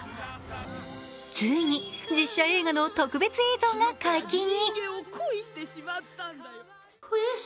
ついに実写映画の特別映像が解禁に。